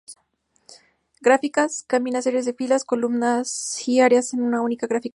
Gráficas: Combina series de filas, columnas y áreas en una única gráfica mixta.